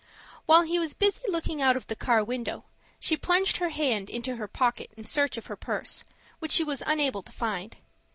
While he was busy looking out of the car window, she plunged her hand into her pocket in search of her purse, which she was unable to find.